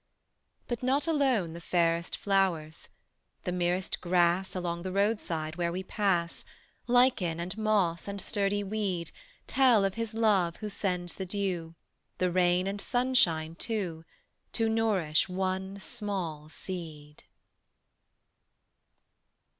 But not alone the fairest flowers: The merest grass Along the roadside where we pass, Lichen and moss and sturdy weed, Tell of His love who sends the dew, The rain and sunshine too, To nourish one small seed.